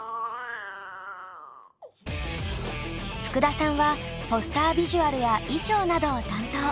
ふくださんはポスタービジュアルや衣装などを担当。